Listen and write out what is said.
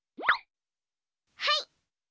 はい！